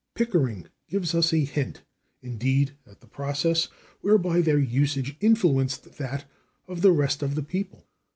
Pickering gives us a hint, indeed, at the process whereby their usage influenced that of the rest of the people.